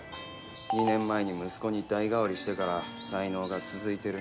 ２年前に息子に代替わりしてから滞納が続いてるんだ。